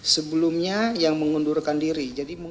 sebelumnya yang mengundurkan diri